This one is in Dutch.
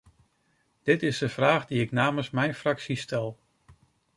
Dit is de vraag die ik namens mijn fractie stel.